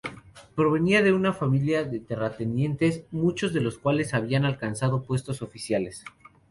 Provenía de una familia de terratenientes, muchos de cuales habían alcanzado puestos oficiales.